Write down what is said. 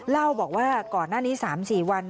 เล่าบอกว่าก่อนหน้านี้๓๔วัน